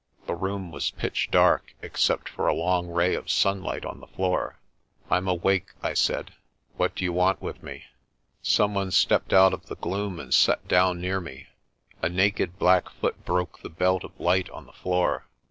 The room was pitch dark, except for a long ray of sunlight on the floor. "Pm awake," I said. "What do you want with me? ' Some one stepped out of the gloom and sat down near me. A naked black foot broke the belt of light on the floor.